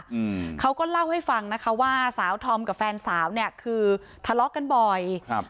อืมเขาก็เล่าให้ฟังนะคะว่าสาวธอมกับแฟนสาวเนี้ยคือทะเลาะกันบ่อยครับ